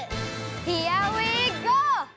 ヒアウィーゴー！